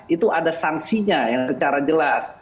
itu ada sanksinya yang secara jelas